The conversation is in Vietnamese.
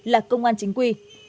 là công an chính quy